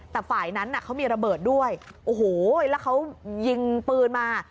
แต่ฝ่ายนั้นเขามีระเบิดด้วยโอ้โหแล้วเขายิงปืนมา